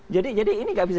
jadi ini nggak bisa